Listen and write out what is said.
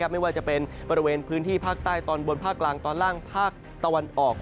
ไม่ว่าจะเป็นบริเวณพื้นที่ภาคใต้ตอนบนภาคกลางตอนล่างภาคตะวันออก